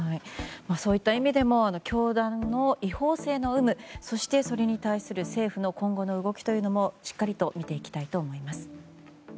そういった意味でも教団の違法性の有無そして、それに対する政府の今後の動きもしっかりと見ていきたいと思います。